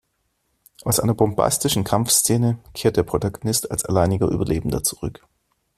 Aus einer bombastischen Kampfszene kehrt der Protagonist als alleiniger Überlebender zurück.